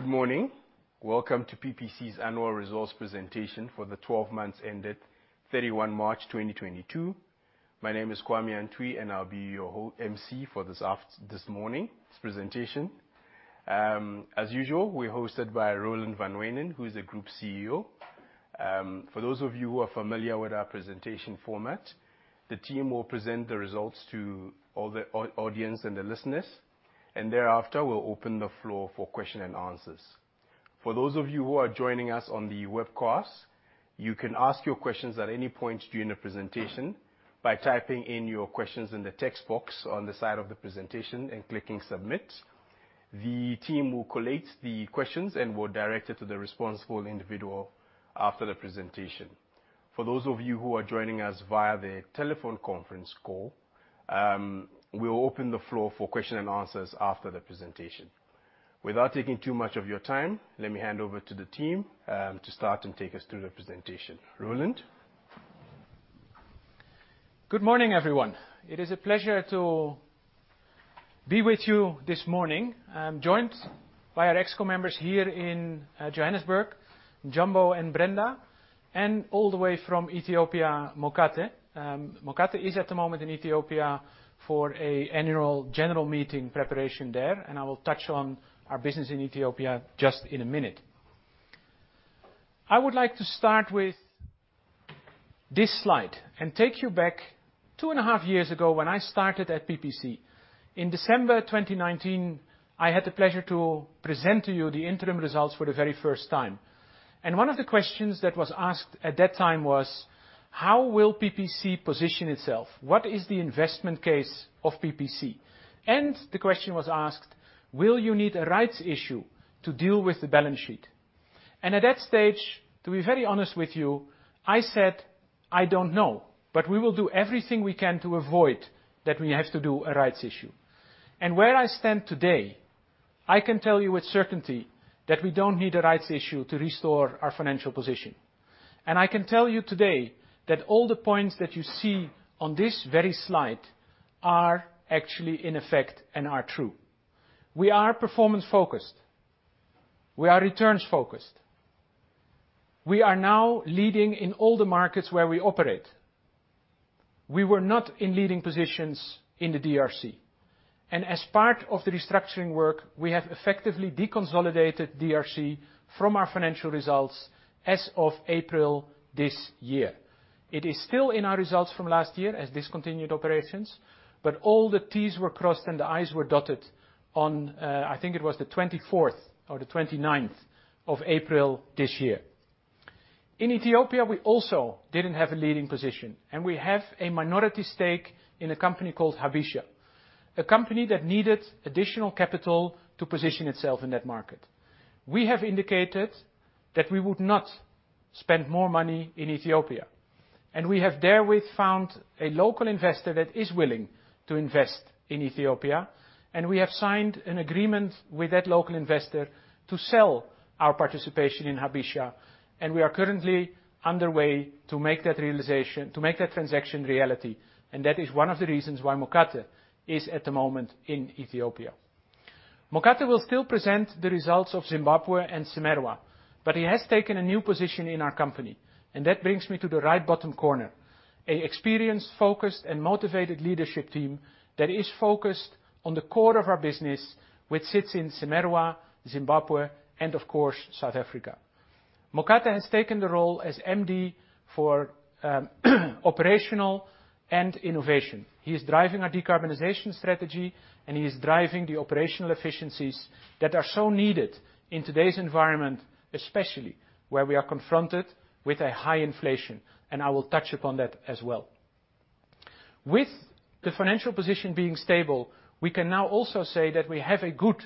Good morning. Welcome to PPC's annual results presentation for the 12 months ended 31 March 2022. My name is Kwame Antwi, and I'll be your MC for this morning's presentation. As usual, we're hosted by Roland van Wijnen, who is the Group CEO. For those of you who are familiar with our presentation format, the team will present the results to all the audience and the listeners, and thereafter, we'll open the floor for questions and answers. For those of you who are joining us on the webcast, you can ask your questions at any point during the presentation by typing in your questions in the text box on the side of the presentation and clicking Submit. The team will collate the questions and will direct it to the responsible individual after the presentation. For those of you who are joining us via the telephone conference call, we'll open the floor for question and answers after the presentation. Without taking too much of your time, let me hand over to the team, to start and take us through the presentation. Roland. Good morning, everyone. It is a pleasure to be with you this morning. I'm joined by our ExCo members here in Johannesburg, NNjumbo and Brenda, and all the way from Ethiopia, Mokate. Mokate is at the moment in Ethiopia for an annual general meeting preparation there, and I will touch on our business in Ethiopia just in a minute. I would like to start with this slide and take you back two and a half years ago when I started at PPC. In December 2019, I had the pleasure to present to you the interim results for the very first time. One of the questions that was asked at that time was, "How will PPC position itself? What is the investment case of PPC?" The question was asked, "Will you need a rights issue to deal with the balance sheet?" At that stage, to be very honest with you, I said, "I don't know, but we will do everything we can to avoid that we have to do a rights issue." Where I stand today, I can tell you with certainty that we don't need a rights issue to restore our financial position. I can tell you today that all the points that you see on this very slide are actually in effect and are true. We are performance-focused. We are returns-focused. We are now leading in all the markets where we operate. We were not in leading positions in the DRC, and as part of the restructuring work, we have effectively deconsolidated DRC from our financial results as of April this year. It is still in our results from last year as discontinued operations, but all the T's were crossed and the I's were dotted on, I think it was the 24th or the 29th of April this year. In Ethiopia, we also didn't have a leading position, and we have a minority stake in a company called Habesha, a company that needed additional capital to position itself in that market. We have indicated that we would not spend more money in Ethiopia, and we have therewith found a local investor that is willing to invest in Ethiopia, and we have signed an agreement with that local investor to sell our participation in Habesha, and we are currently underway to make that transaction reality. That is one of the reasons why Mokate is at the moment in Ethiopia. Mokate will still present the results of Zimbabwe and CIMERWA, but he has taken a new position in our company, and that brings me to the right bottom corner, an experienced, focused, and motivated leadership team that is focused on the core of our business, which sits in CIMERWA, Zimbabwe, and of course, South Africa. Mokate has taken the role as MD for industrial and innovation. He is driving our decarbonization strategy, and he is driving the operational efficiencies that are so needed in today's environment, especially where we are confronted with a high inflation, and I will touch upon that as well. With the financial position being stable, we can now also say that we have a good,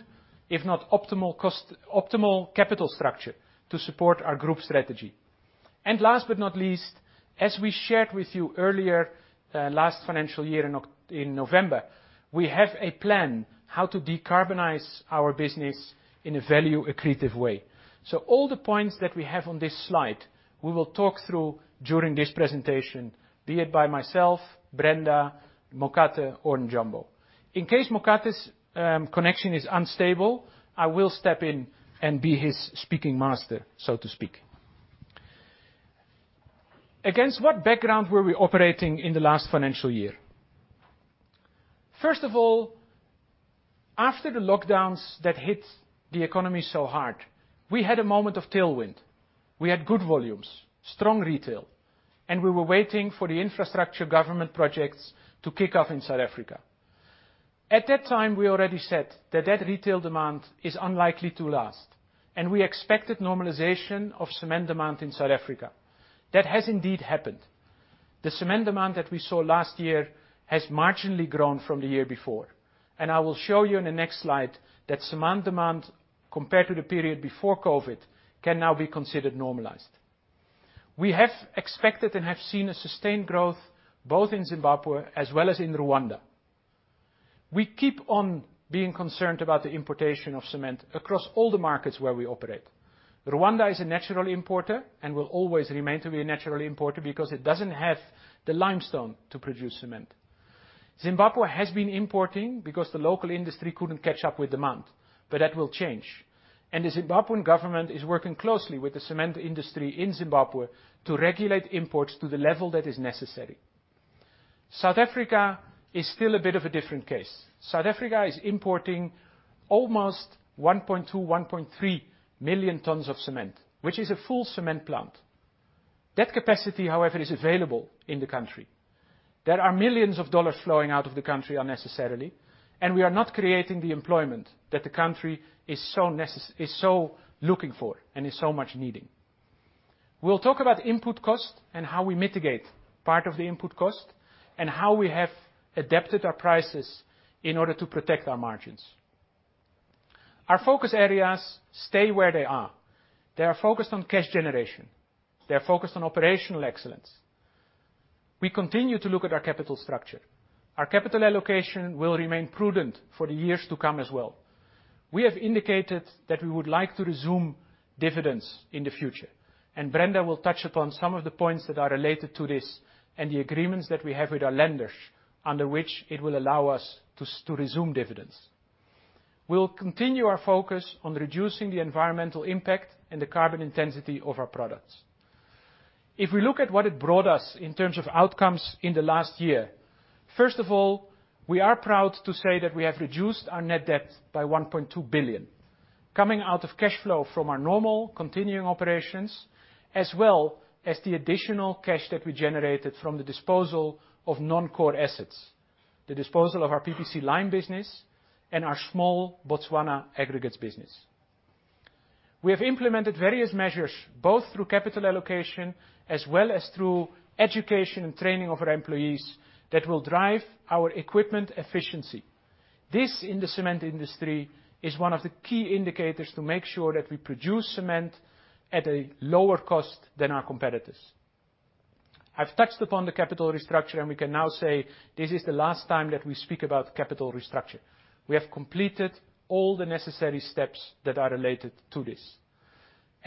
if not optimal capital structure to support our group strategy. Last but not least, as we shared with you earlier, last financial year in November, we have a plan how to decarbonize our business in a value-accretive way. All the points that we have on this slide, we will talk through during this presentation, be it by myself, Brenda, Mokate, or Njombo. In case Mokate's connection is unstable, I will step in and be his speaking master, so to speak. Against what background were we operating in the last financial year? First of all, after the lockdowns that hit the economy so hard, we had a moment of tailwind. We had good volumes, strong retail, and we were waiting for the infrastructure government projects to kick off in South Africa. At that time, we already said that retail demand is unlikely to last, and we expected normalization of cement demand in South Africa. That has indeed happened. The cement demand that we saw last year has marginally grown from the year before, and I will show you in the next slide that cement demand, compared to the period before COVID, can now be considered normalized. We have expected and have seen a sustained growth both in Zimbabwe as well as in Rwanda. We keep on being concerned about the importation of cement across all the markets where we operate. Rwanda is a natural importer and will always remain to be a natural importer because it doesn't have the limestone to produce cement. Zimbabwe has been importing because the local industry couldn't catch up with demand, but that will change. The Zimbabwean government is working closely with the cement industry in Zimbabwe to regulate imports to the level that is necessary. South Africa is still a bit of a different case. South Africa is importing almost 1.2-1.3 million tons of cement, which is a full cement plant. That capacity, however, is available in the country. There are millions of dollars flowing out of the country unnecessarily, and we are not creating the employment that the country is so looking for and is so much needing. We'll talk about input costs and how we mitigate part of the input cost and how we have adapted our prices in order to protect our margins. Our focus areas stay where they are. They are focused on cash generation. They are focused on operational excellence. We continue to look at our capital structure. Our capital allocation will remain prudent for the years to come as well. We have indicated that we would like to resume dividends in the future, and Brenda will touch upon some of the points that are related to this and the agreements that we have with our lenders under which it will allow us to resume dividends. We'll continue our focus on reducing the environmental impact and the carbon intensity of our products. If we look at what it brought us in terms of outcomes in the last year, first of all, we are proud to say that we have reduced our net debt by 1.2 billion. Coming out of cash flow from our normal continuing operations as well as the additional cash that we generated from the disposal of non-core assets. The disposal of our PPC Lime business and our PPC Aggregate Quarries Botswana. We have implemented various measures, both through capital allocation as well as through education and training of our employees that will drive our equipment efficiency. This, in the cement industry, is one of the key indicators to make sure that we produce cement at a lower cost than our competitors. I've touched upon the capital restructure, and we can now say this is the last time that we speak about capital restructure. We have completed all the necessary steps that are related to this.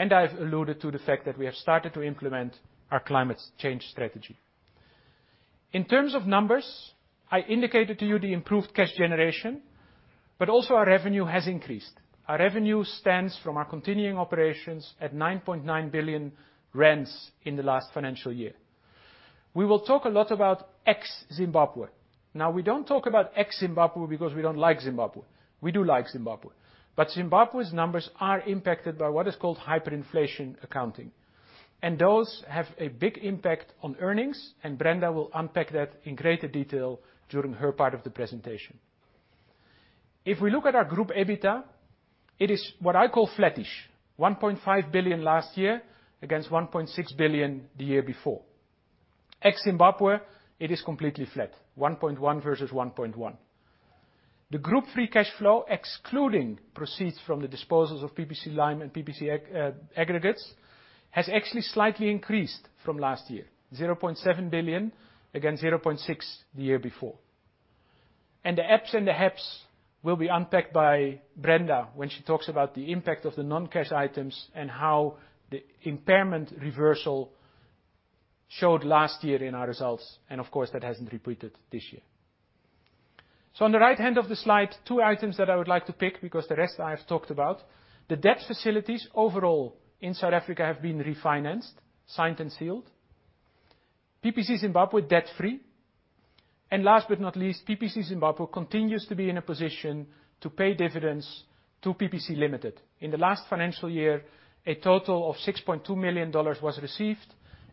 I've alluded to the fact that we have started to implement our climate change strategy. In terms of numbers, I indicated to you the improved cash generation, but also our revenue has increased. Our revenue stands from our continuing operations at 9.9 billion rand in the last financial year. We will talk a lot about ex-Zimbabwe. Now, we don't talk about ex-Zimbabwe because we don't like Zimbabwe. We do like Zimbabwe. But Zimbabwe's numbers are impacted by what is called hyperinflation accounting, and those have a big impact on earnings. Brenda will unpack that in greater detail during her part of the presentation. If we look at our group EBITDA, it is what I call flattish. 1.5 billion last year against 1.6 billion the year before. Ex-Zimbabwe, it is completely flat, 1.1 billion versus 1.1 billion. The group free cash flow, excluding proceeds from the disposals of PPC Lime and PPC Aggregates, has actually slightly increased from last year, 0.7 billion against 0.6 billion the year before. The EPS and the HEPS will be unpacked by Brenda when she talks about the impact of the non-cash items and how the impairment reversal showed last year in our results and of course, that hasn't repeated this year. On the right hand of the slide, two items that I would like to pick because the rest I have talked about. The debt facilities overall in South Africa have been refinanced, signed and sealed. PPC Zimbabwe debt-free. Last but not least, PPC Zimbabwe continues to be in a position to pay dividends to PPC Limited. In the last financial year, a total of $6.2 million was received,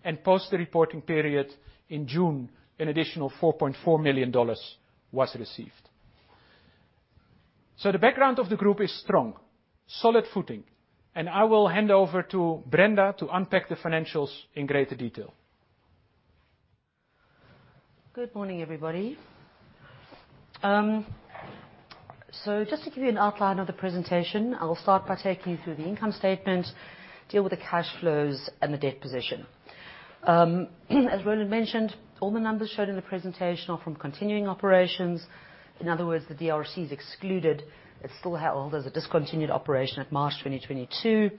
and post the reporting period in June, an additional $4.4 million was received. The background of the group is strong, solid footing, and I will hand over to Brenda to unpack the financials in greater detail. Good morning, everybody. So just to give you an outline of the presentation, I will start by taking you through the income statement, deal with the cash flows and the debt position. As Roland mentioned, all the numbers shown in the presentation are from continuing operations. In other words, the DRC is excluded. It's still held as a discontinued operation at March 2022.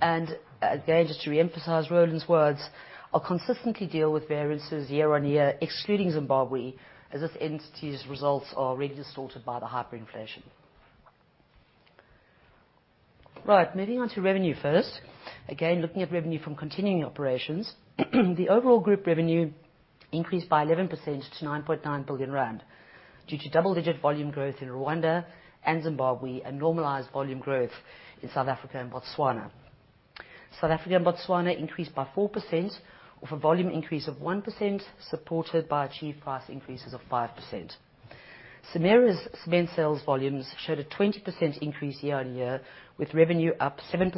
Again, just to reemphasize Roland's words, I'll consistently deal with variances year-on-year, excluding Zimbabwe, as this entity's results are really distorted by the hyperinflation. Right, moving on to revenue first. Again, looking at revenue from continuing operations, the overall group revenue increased by 11% to 9.9 billion rand due to double-digit volume growth in Rwanda and Zimbabwe and normalized volume growth in South Africa and Botswana. South Africa and Botswana increased by 4%, with a volume increase of 1% supported by achieved price increases of 5%. CIMERWA's cement sales volumes showed a 20% increase year-on-year, with revenue up 7%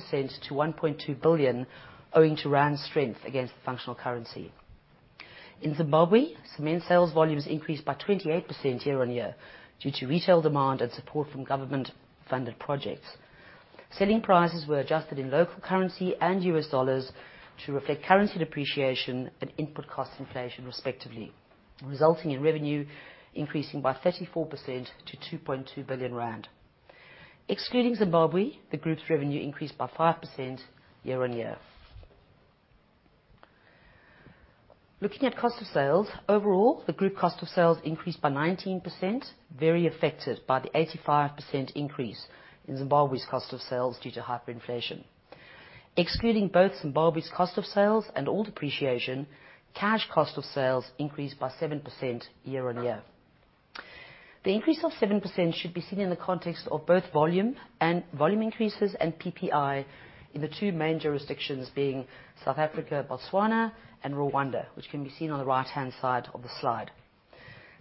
to 1.2 billion, owing to rand's strength against the functional currency. In Zimbabwe, cement sales volumes increased by 28% year-on-year due to retail demand and support from government-funded projects. Selling prices were adjusted in local currency and US dollars to reflect currency depreciation and input cost inflation respectively, resulting in revenue increasing by 34% to 2.2 billion rand. Excluding Zimbabwe, the group's revenue increased by 5% year-on-year. Looking at cost of sales. Overall, the group cost of sales increased by 19%, very affected by the 85% increase in Zimbabwe's cost of sales due to hyperinflation. Excluding both Zimbabwe's cost of sales and all depreciation, cash cost of sales increased by 7% year-over-year. The increase of 7% should be seen in the context of both volume and price increases and PPI in the two main jurisdictions being South Africa, Botswana and Rwanda, which can be seen on the right-hand side of the slide.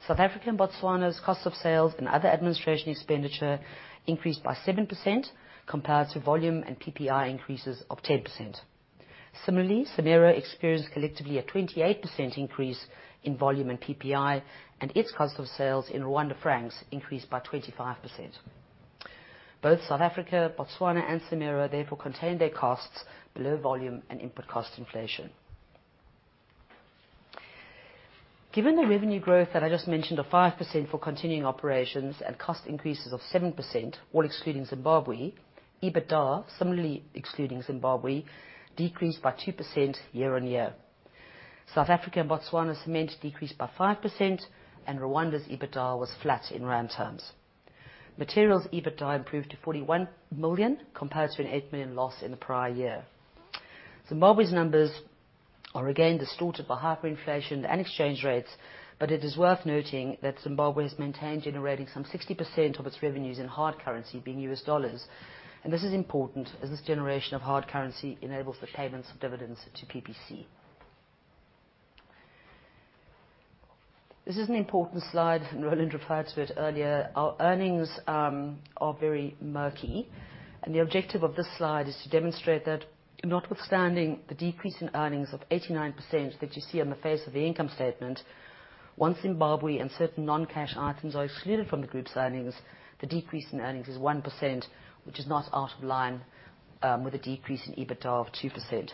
South Africa and Botswana's cost of sales and other administration expenditure increased by 7% compared to volume and PPI increases of 10%. Similarly, CIMERWA experienced collectively a 28% increase in volume and PPI, and its cost of sales in Rwandan francs increased by 25%. Both South Africa, Botswana, and CIMERWA therefore contained their costs below volume and input cost inflation. Given the revenue growth that I just mentioned of 5% for continuing operations and cost increases of 7%, all excluding Zimbabwe, EBITDA, similarly excluding Zimbabwe, decreased by 2% year-on-year. South Africa and Botswana Cement decreased by 5% and Rwanda's EBITDA was flat in rand terms. Materials EBITDA improved to 41 million compared to a 8 million loss in the prior year. Zimbabwe's numbers are again distorted by hyperinflation and exchange rates, but it is worth noting that Zimbabwe has maintained generating some 60% of its revenues in hard currency being US dollars, and this is important as this generation of hard currency enables the payments of dividends to PPC. This is an important slide, and Roland referred to it earlier. Our earnings are very murky, and the objective of this slide is to demonstrate that notwithstanding the decrease in earnings of 89% that you see on the face of the income statement, once Zimbabwe and certain non-cash items are excluded from the group's earnings, the decrease in earnings is 1%, which is not out of line with a decrease in EBITDA of 2%.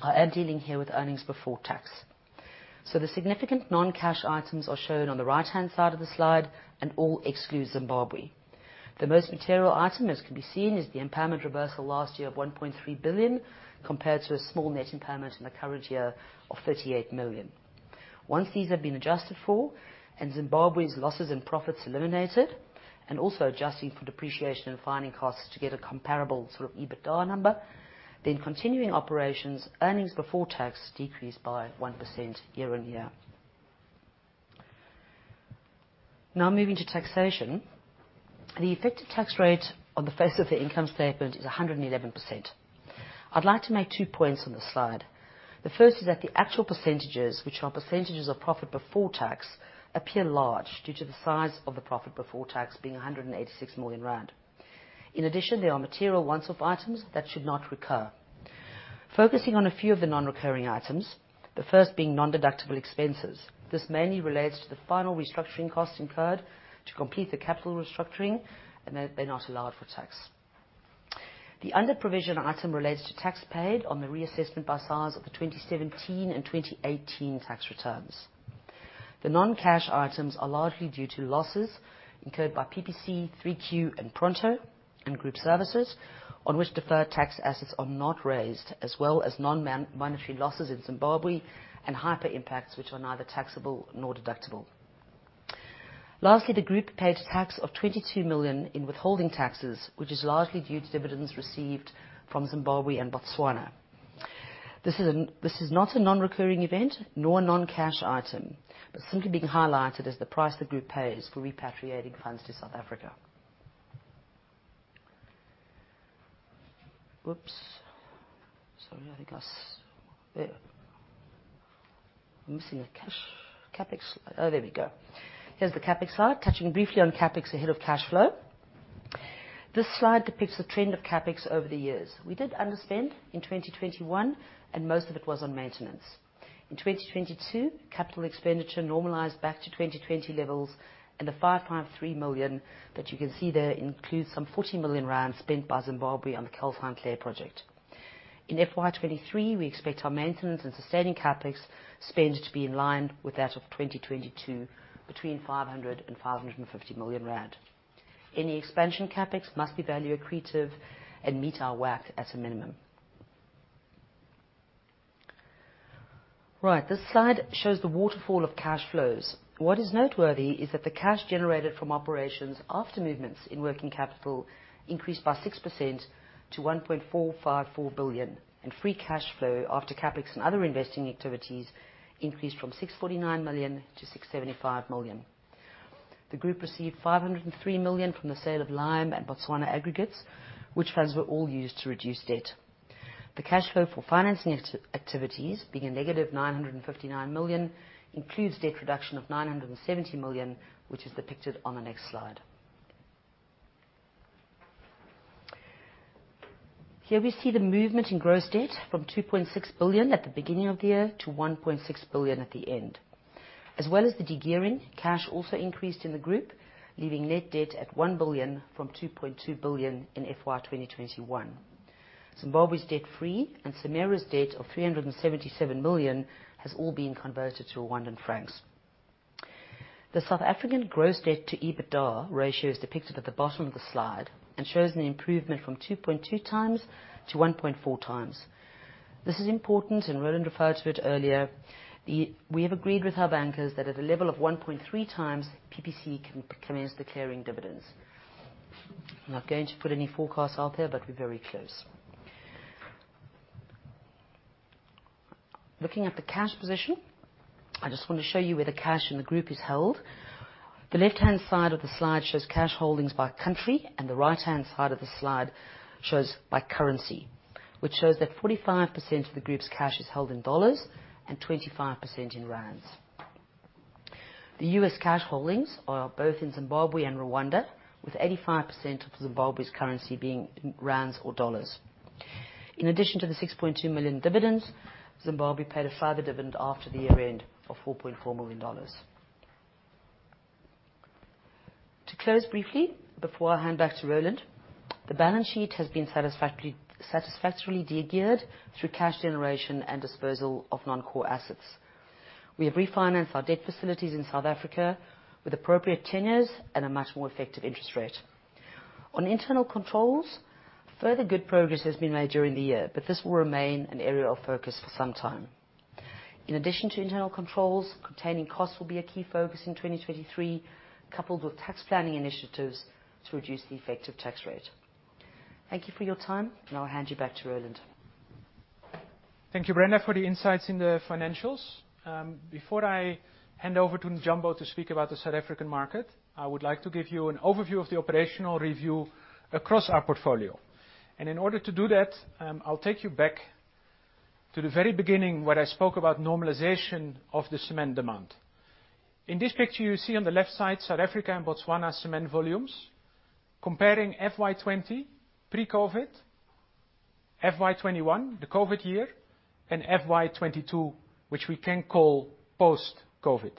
I am dealing here with earnings before tax. The significant non-cash items are shown on the right-hand side of the slide and all exclude Zimbabwe. The most material item, as can be seen, is the impairment reversal last year of 1.3 billion, compared to a small net impairment in the current year of 38 million. Once these have been adjusted for and Zimbabwe's losses and profits eliminated, and also adjusting for depreciation and finding costs to get a comparable sort of EBITDA number, continuing operations earnings before tax decreased by 1% year-on-year. Now moving to taxation. The effective tax rate on the face of the income statement is 111%. I'd like to make 2 points on this slide. The first is that the actual percentages, which are percentages of profit before tax, appear large due to the size of the profit before tax being 186 million rand. In addition, there are material once off items that should not recur. Focusing on a few of the non-recurring items, the first being non-deductible expenses. This mainly relates to the final restructuring costs incurred to complete the capital restructuring and they're not allowed for tax. The underprovision item relates to tax paid on the reassessment by SARS of the 2017 and 2018 tax returns. The non-cash items are largely due to losses incurred by PPC, 3Q and Pronto and group services on which deferred tax assets are not raised, as well as non-monetary losses in Zimbabwe and hyperinflation impacts which are neither taxable nor deductible. Lastly, the group paid tax of 22 million in withholding taxes, which is largely due to dividends received from Zimbabwe and Botswana. This is not a non-recurring event nor a non-cash item, but simply being highlighted as the price the group pays for repatriating funds to South Africa. I'm missing a cash CapEx. Oh, there we go. Here's the CapEx slide. Touching briefly on CapEx ahead of cash flow. This slide depicts the trend of CapEx over the years. We did underspend in 2021, and most of it was on maintenance. In 2022, capital expenditure normalized back to 2020 levels and the 5.3 million that you can see there includes some 40 million rand spent by Zimbabwe on the ESP project. In FY 2023, we expect our maintenance and sustaining CapEx spend to be in line with that of 2022, between 500 million and 550 million rand. Any expansion CapEx must be value accretive and meet our WACC at a minimum. Right, this slide shows the waterfall of cash flows. What is noteworthy is that the cash generated from operations after movements in working capital increased by 6% to 1.454 billion, and free cash flow after CapEx and other investing activities increased from 649 million to 675 million. The group received 503 million from the sale of Lime and Botswana Aggregates, which funds were all used to reduce debt. The cash flow for financing activities, being -959 million, includes debt reduction of 970 million, which is depicted on the next slide. Here we see the movement in gross debt from 2.6 billion at the beginning of the year to 1.6 billion at the end. As well as the degearing, cash also increased in the group, leaving net debt at 1 billion from 2.2 billion in FY 2021. Zimbabwe is debt-free, and CIMERWA's debt of RWF 377 million has all been converted to Rwandan francs. The South African gross debt to EBITDA ratio is depicted at the bottom of the slide and shows an improvement from 2.2 times to 1.4 times. This is important, and Roland referred to it earlier. We have agreed with our bankers that at a level of 1.3 times, PPC can commence declaring dividends. Not going to put any forecasts out there, but we're very close. Looking at the cash position, I just want to show you where the cash in the group is held. The left-hand side of the slide shows cash holdings by country, and the right-hand side of the slide shows by currency, which shows that 45% of the group's cash is held in dollars and 25% in rands. The U.S. cash holdings are both in Zimbabwe and Rwanda, with 85% of Zimbabwe's currency being in rands or dollars. In addition to the $6.2 million dividends, Zimbabwe paid a final dividend after the year-end of $4.4 million. To close briefly, before I hand back to Roland, the balance sheet has been satisfactory, satisfactorily de-geared through cash generation and disposal of non-core assets. We have refinanced our debt facilities in South Africa with appropriate tenures and a much more effective interest rate. On internal controls, further good progress has been made during the year, but this will remain an area of focus for some time. In addition to internal controls, containing costs will be a key focus in 2023, coupled with tax planning initiatives to reduce the effective tax rate. Thank you for your time, and I'll hand you back to Roland. Thank you, Brenda, for the insights in the financials. Before I hand over to Njombo to speak about the South African market, I would like to give you an overview of the operational review across our portfolio. In order to do that, I'll take you back to the very beginning where I spoke about normalization of the cement demand. In this picture you see on the left side, South Africa and Botswana cement volumes comparing FY 2020, pre-COVID, FY 2021, the COVID year, and FY 2022, which we can call post-COVID.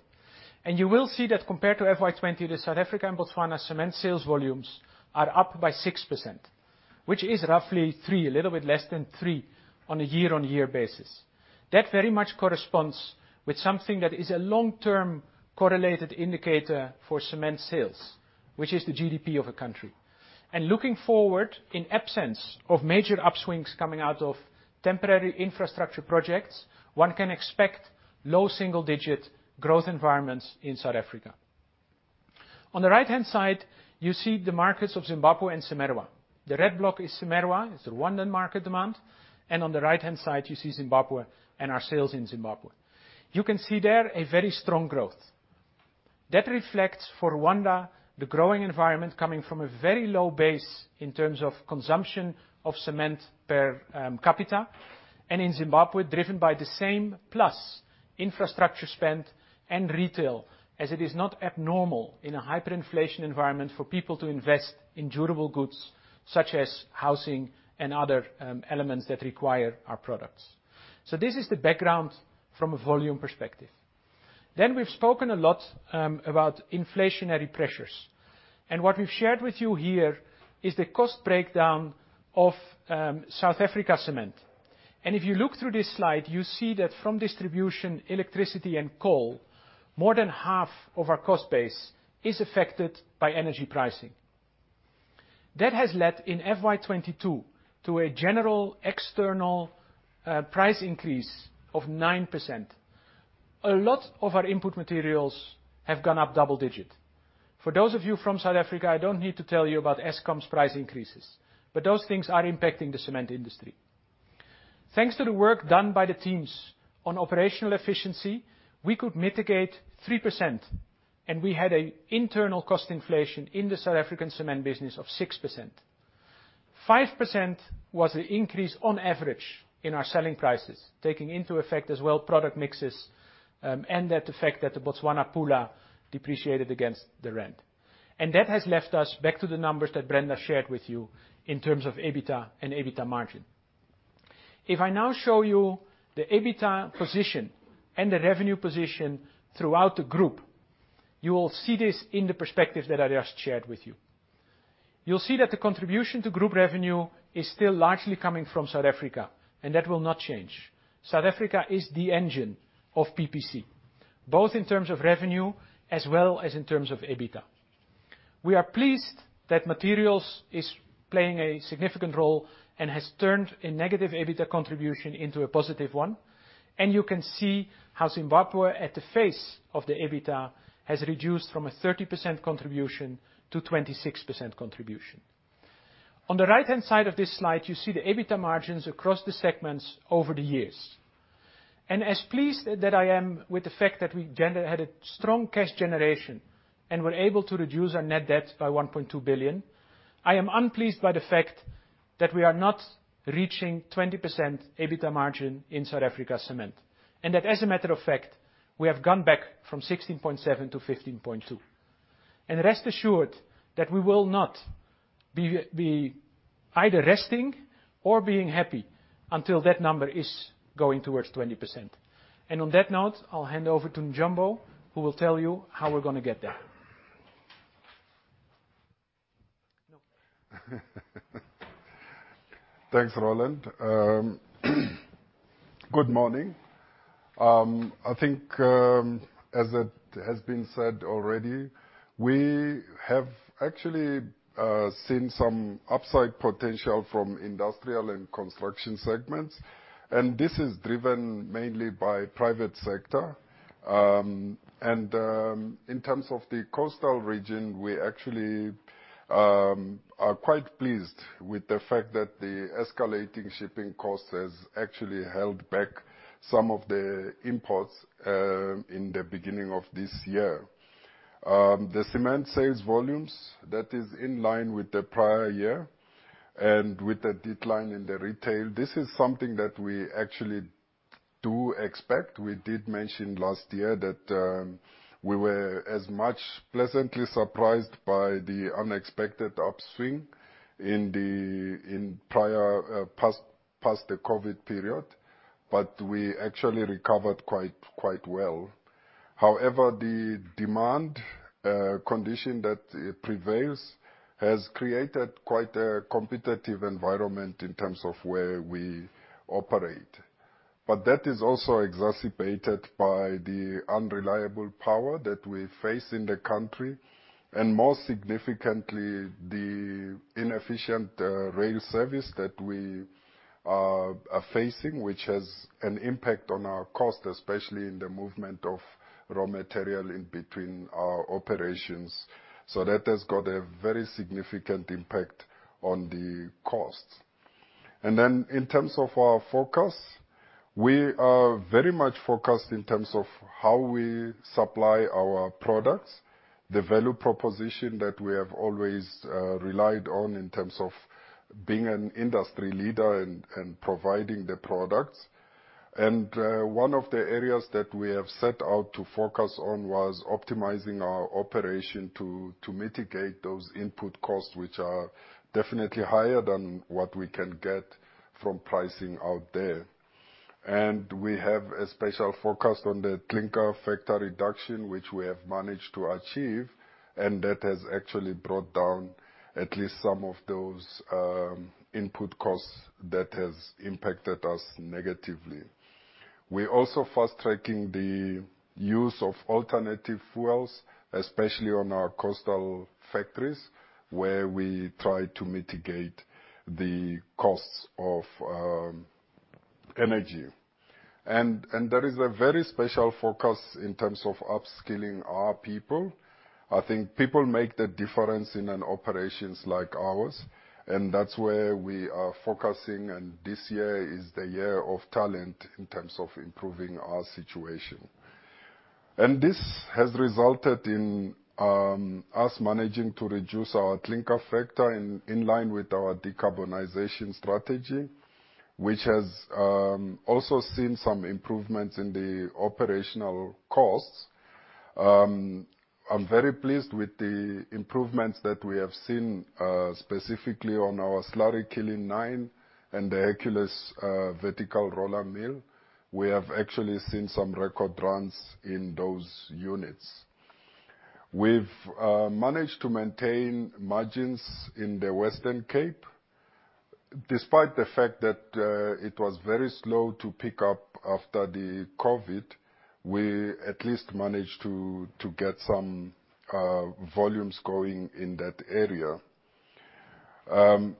You will see that compared to FY 2020, the South Africa and Botswana cement sales volumes are up by 6%, which is roughly 3, a little bit less than 3 on a year-on-year basis. That very much corresponds with something that is a long-term correlated indicator for cement sales, which is the GDP of a country. Looking forward, in absence of major upswings coming out of temporary infrastructure projects, one can expect low single-digit growth environments in South Africa. On the right-hand side, you see the markets of Zimbabwe and CIMERWA. The red block is CIMERWA, it's the Rwandan market demand, and on the right-hand side, you see Zimbabwe and our sales in Zimbabwe. You can see there a very strong growth. That reflects for Rwanda the growing environment coming from a very low base in terms of consumption of cement per capita, and in Zimbabwe, driven by the same plus infrastructure spend and retail, as it is not abnormal in a hyperinflation environment for people to invest in durable goods such as housing and other elements that require our products. This is the background from a volume perspective. We've spoken a lot about inflationary pressures. What we've shared with you here is the cost breakdown of South Africa Cement. If you look through this slide, you see that from distribution, electricity, and coal, more than half of our cost base is affected by energy pricing. That has led, in FY 2022, to a general external price increase of 9%. A lot of our input materials have gone up double digit. For those of you from South Africa, I don't need to tell you about Eskom's price increases, but those things are impacting the cement industry. Thanks to the work done by the teams on operational efficiency, we could mitigate 3%, and we had an internal cost inflation in the South African cement business of 6%. 5% was the increase on average in our selling prices, taking into account as well product mixes, and the effect that the Botswana pula depreciated against the rand. That has left us back to the numbers that Brenda shared with you in terms of EBITDA and EBITDA margin. If I now show you the EBITDA position and the revenue position throughout the group, you will see this in the perspective that I just shared with you. You'll see that the contribution to group revenue is still largely coming from South Africa, and that will not change. South Africa is the engine of PPC, both in terms of revenue as well as in terms of EBITDA. We are pleased that materials is playing a significant role and has turned a negative EBITDA contribution into a positive one. You can see how Zimbabwe, at the face of the EBITDA, has reduced from a 30% contribution to 26% contribution. On the right-hand side of this slide, you see the EBITDA margins across the segments over the years. As pleased that I am with the fact that we had a strong cash generation and were able to reduce our net debt by 1.2 billion, I am unpleased by the fact that we are not reaching 20% EBITDA margin in South Africa Cement. That as a matter of fact, we have gone back from 16.7 to 15.2. Rest assured that we will not be either resting or being happy until that number is going towards 20%. On that note, I'll hand over to Njombo, who will tell you how we're gonna get there. Thanks, Roland. Good morning. I think, as it has been said already, we have actually seen some upside potential from industrial and construction segments, and this is driven mainly by private sector. In terms of the coastal region, we actually are quite pleased with the fact that the escalating shipping costs has actually held back some of the imports in the beginning of this year. The cement sales volumes, that is in line with the prior year and with the decline in the retail. This is something that we actually do expect. We did mention last year that we were as much pleasantly surprised by the unexpected upswing in the post-COVID period, but we actually recovered quite well. However, the demand condition that prevails has created quite a competitive environment in terms of where we operate. That is also exacerbated by the unreliable power that we face in the country, and more significantly, the inefficient rail service that we are facing, which has an impact on our cost, especially in the movement of raw material in between our operations. That has got a very significant impact on the costs. In terms of our focus, we are very much focused in terms of how we supply our products, the value proposition that we have always relied on in terms of being an industry leader and providing the products. One of the areas that we have set out to focus on was optimizing our operation to mitigate those input costs, which are definitely higher than what we can get from pricing out there. We have a special focus on the clinker factor reduction, which we have managed to achieve, and that has actually brought down at least some of those input costs that has impacted us negatively. We're also fast-tracking the use of alternative fuels, especially on our coastal factories, where we try to mitigate the costs of energy. There is a very special focus in terms of upskilling our people. I think people make the difference in an operations like ours, and that's where we are focusing, and this year is the year of talent in terms of improving our situation. This has resulted in us managing to reduce our clinker factor in line with our decarbonization strategy, which has also seen some improvements in the operational costs. I'm very pleased with the improvements that we have seen specifically on our Slurry Kiln nine and the Hercules vertical roller mill. We have actually seen some record runs in those units. We've managed to maintain margins in the Western Cape. Despite the fact that it was very slow to pick up after the COVID, we at least managed to get some volumes going in that area.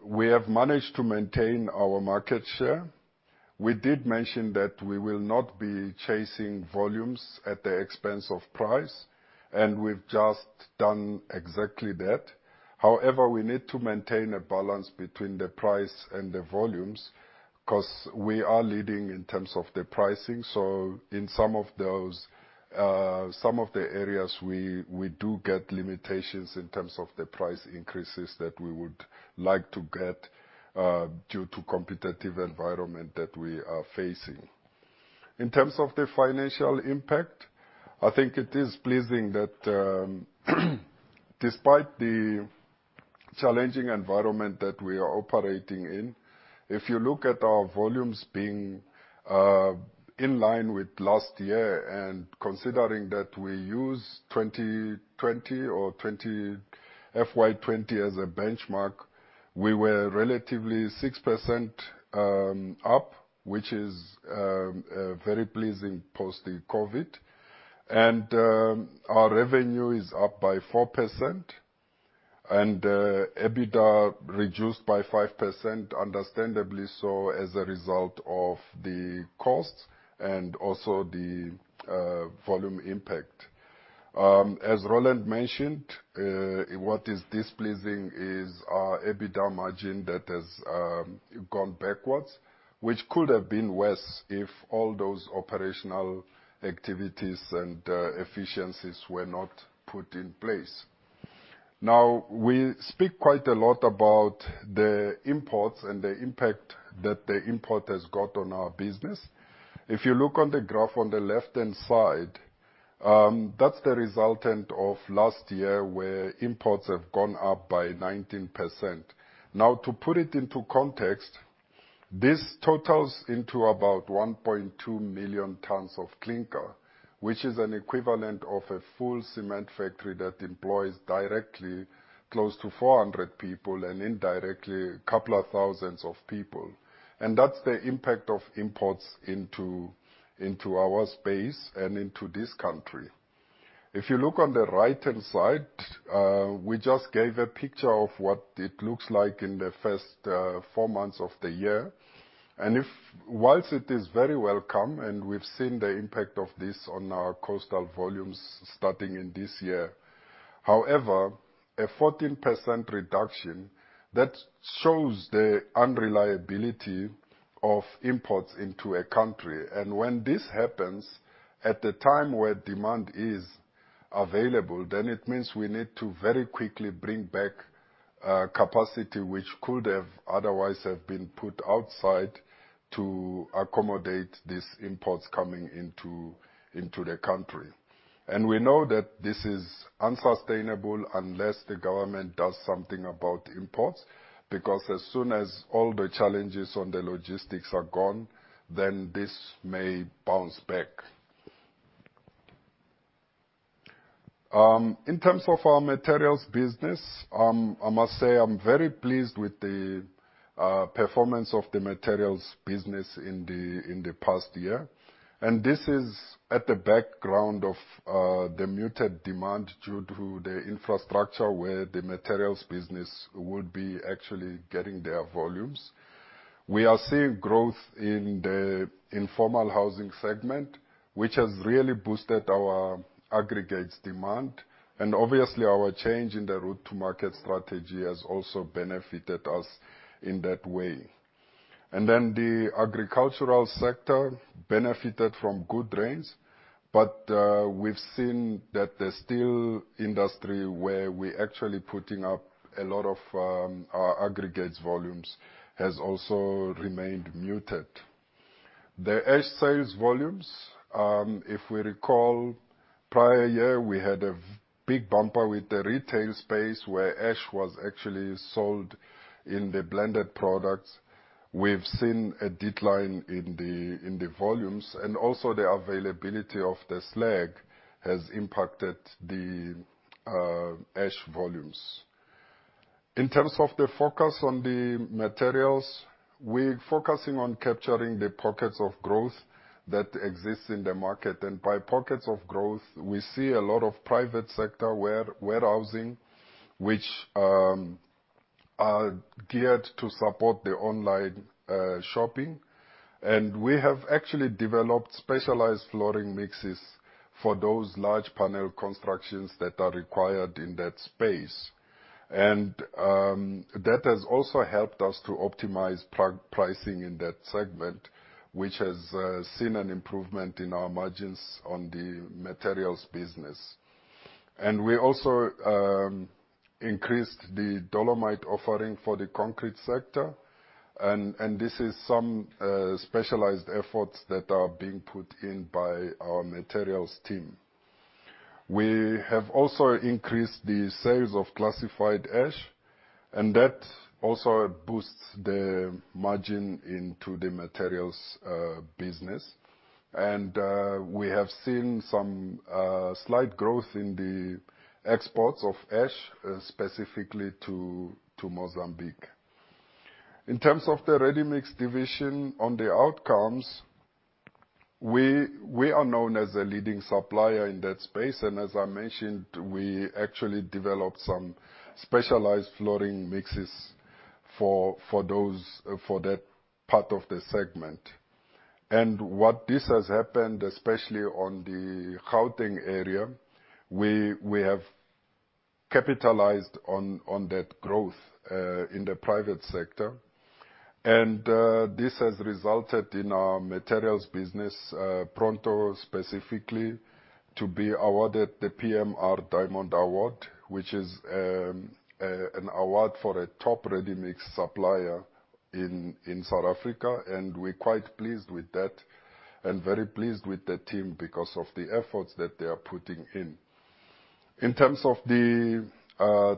We have managed to maintain our market share. We did mention that we will not be chasing volumes at the expense of price, and we've just done exactly that. However, we need to maintain a balance between the price and the volumes, 'cause we are leading in terms of the pricing. In some of those, some of the areas, we do get limitations in terms of the price increases that we would like to get, due to competitive environment that we are facing. In terms of the financial impact, I think it is pleasing that, despite the challenging environment that we are operating in, if you look at our volumes being in line with last year, and considering that we use FY 2020 as a benchmark, we were relatively 6% up, which is very pleasing post the COVID. Our revenue is up by 4% and EBITDA reduced by 5%, understandably so, as a result of the costs and also the volume impact. As Roland mentioned, what is displeasing is our EBITDA margin that has gone backwards, which could have been worse if all those operational activities and efficiencies were not put in place. Now, we speak quite a lot about the imports and the impact that the import has got on our business. If you look on the graph on the left-hand side, that's the resultant of last year where imports have gone up by 19%. Now, to put it into context. This totals into about 1.2 million tons of clinker, which is an equivalent of a full cement factory that employs directly close to 400 people and indirectly a couple of thousands of people. That's the impact of imports into our space and into this country. If you look on the right-hand side, we just gave a picture of what it looks like in the first 4 months of the year. While it is very welcome and we've seen the impact of this on our coastal volumes starting in this year. However, a 14% reduction, that shows the unreliability of imports into a country. When this happens at the time where demand is available, then it means we need to very quickly bring back capacity which could have otherwise have been put outside to accommodate these imports coming into the country. We know that this is unsustainable unless the government does something about imports, because as soon as all the challenges on the logistics are gone, then this may bounce back. In terms of our materials business, I must say I'm very pleased with the performance of the materials business in the past year. This is at the background of the muted demand due to the infrastructure where the materials business would be actually getting their volumes. We are seeing growth in the informal housing segment, which has really boosted our aggregates demand. Obviously, our change in the route to market strategy has also benefited us in that way. Then the agricultural sector benefited from good rains, but we've seen that the steel industry, where we're actually putting up a lot of our aggregates volumes, has also remained muted. The ash sales volumes, if we recall prior year, we had a big bumper with the retail space where ash was actually sold in the blended products. We've seen a decline in the volumes, and also the availability of the slag has impacted the ash volumes. In terms of the focus on the materials, we're focusing on capturing the pockets of growth that exists in the market. By pockets of growth, we see a lot of private sector warehousing, which are geared to support the online shopping. We have actually developed specialized flooring mixes for those large panel constructions that are required in that space. That has also helped us to optimize pricing in that segment, which has seen an improvement in our margins on the materials business. We also increased the dolomite offering for the concrete sector, and this is some specialized efforts that are being put in by our materials team. We have also increased the sales of classified ash, and that also boosts the margin into the materials business. We have seen some slight growth in the exports of ash specifically to Mozambique. In terms of the ready-mix division on the outcomes, we are known as a leading supplier in that space, and as I mentioned, we actually developed some specialized flooring mixes for that part of the segment. What has happened, especially on the Gauteng area, we have capitalized on that growth in the private sector. This has resulted in our materials business, Pronto specifically, to be awarded the PMR Diamond Award, which is an award for a top ready-mix supplier in South Africa. We're quite pleased with that and very pleased with the team because of the efforts that they are putting in. In terms of the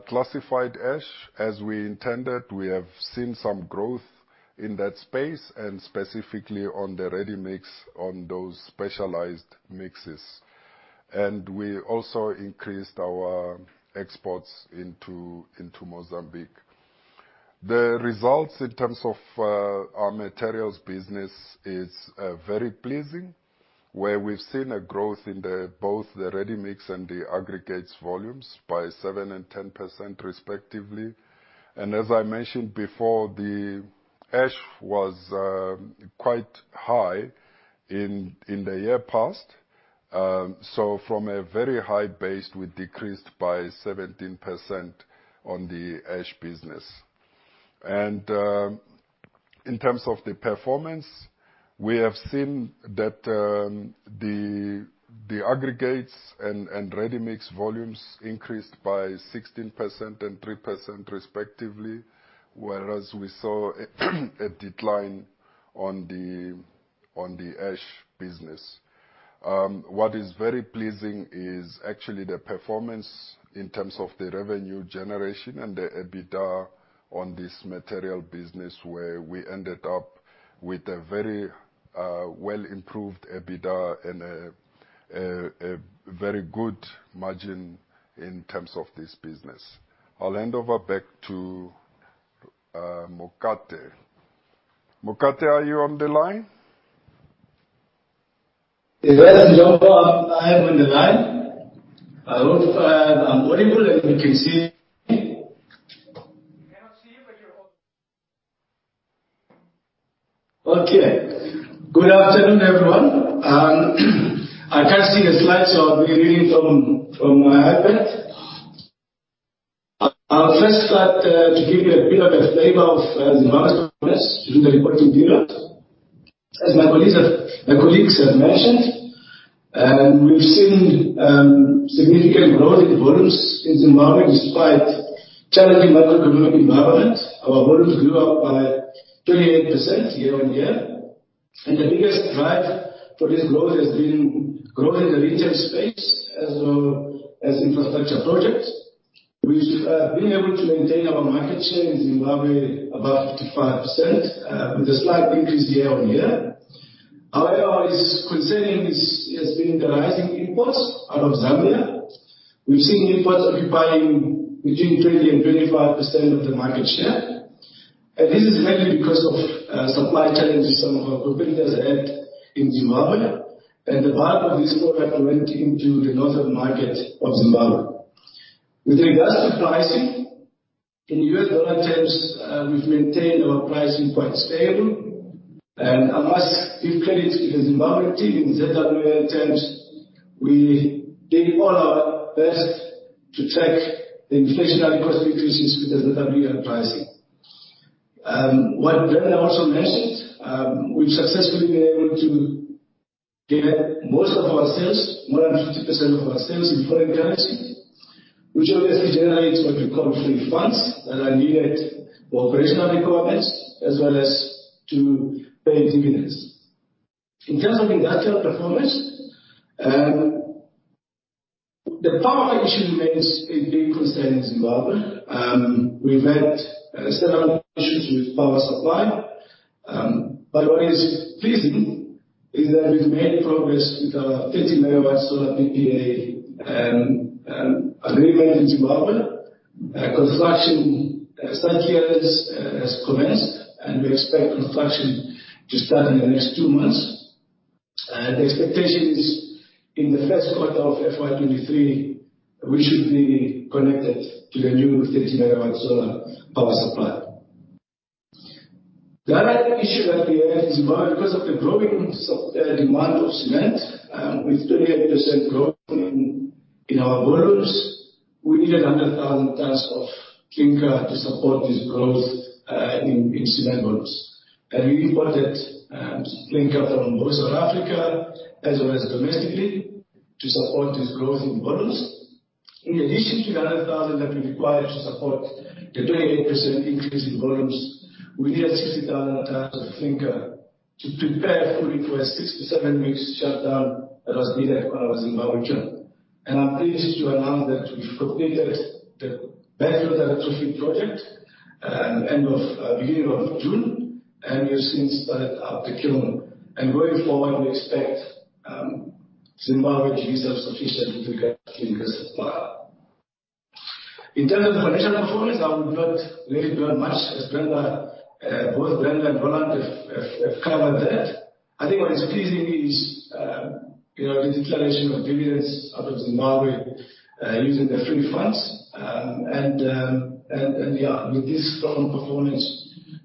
classified ash, as we intended, we have seen some growth in that space and specifically on the ready-mix on those specialized mixes. We also increased our exports into Mozambique. The results in terms of our materials business is very pleasing, where we've seen a growth in both the ready-mix and the aggregates volumes by 7% and 10% respectively. As I mentioned before, the ash was quite high in the year past. From a very high base, we decreased by 17% on the ash business. In terms of the performance, we have seen that the aggregates and ready-mix volumes increased by 16% and 3% respectively, whereas we saw a decline on the ash business. What is very pleasing is actually the performance in terms of the revenue generation and the EBITDA on this material business, where we ended up with a very well improved EBITDA and a very good margin in terms of this business. I'll hand over back to Mokate. Mokate, are you on the line? Yes, I'm on the line. I hope I'm audible and you can see me. We cannot see you, but you're audible. Okay. Good afternoon, everyone. I can't see the slides, so I'll be reading from my iPad. I'll first start to give you a bit of a flavor of Zimbabwe's performance through the reporting period. As my colleagues have mentioned, we've seen significant growth in volumes in Zimbabwe despite challenging macroeconomic environment. Our volumes grew by 28% year-on-year, and the biggest driver for this growth has been growth in the retail space as well as infrastructure projects. We've been able to maintain our market share in Zimbabwe above 55%, with a slight increase year-on-year. However, what is concerning has been the rising imports out of Zambia. We've seen imports occupying between 20%-25% of the market share. This is mainly because of supply challenges some of our competitors had in Zimbabwe, and the bulk of this product went into the northern market of Zimbabwe. With regards to pricing, in U.S. dollar terms, we've maintained our pricing quite stable. I must give credit to the Zimbabwe team. In ZWL terms, we did all our best to track the inflationary cost increases with the ZWL pricing. What Brenda also mentioned, we've successfully been able to get most of our sales, more than 50% of our sales in foreign currency, which obviously generates what we call free funds that are needed for operational requirements as well as to pay dividends. In terms of industrial performance, the power issue remains a big concern in Zimbabwe. We've had several issues with power supply. What is pleasing is that we've made progress with our 30-megawatt solar PPA agreement in Zimbabwe. Construction site here has commenced, and we expect construction to start in the next two months. The expectation is in the first quarter of FY 2023, we should be connected to the new 30-megawatt solar power supply. The other issue that we had in Zimbabwe because of the growing demand of cement with 28% growth in our volumes, we needed 100,000 tons of clinker to support this growth in cement volumes. We imported clinker from Voice of Africa as well as domestically to support this growth in volumes. In addition to the 100,000 that we required to support the 28% increase in volumes, we needed 60,000 tons of clinker to prepare fully for a 67-week shutdown that was needed on our Zimbabwe plant. I'm pleased to announce that we've completed the electrostatic precipitator project beginning of June, and we have since started up the kiln. Going forward, we expect Zimbabwe to be self-sufficient with clinker supply. In terms of financial performance, I won't put very much as Brenda, both Brenda and Roland have covered that. I think what is pleasing is, you know, the declaration of dividends out of Zimbabwe using the free funds. With this strong performance,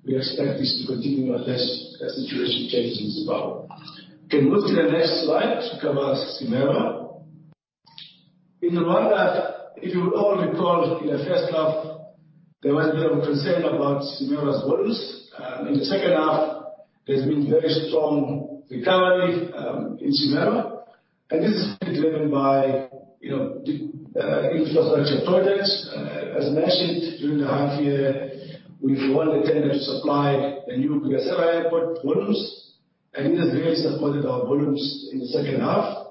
we expect this to continue as the situation changes in Zimbabwe. Can you go to the next slide to cover CIMERWA. In Rwanda, if you all recall, in the first half, there was a bit of concern about CIMERWA's volumes. In the second half, there's been very strong recovery in CIMERWA, and this is driven by, you know, infrastructure projects. As mentioned during the half year, we've won the tender to supply the new Bugesera International Airport volumes, and this has really supported our volumes in the second half,